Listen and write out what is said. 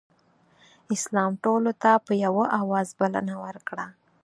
اسلام ټولو ته په یوه اواز بلنه ورکړه.